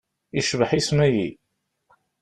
Icbeḥ isem-agi.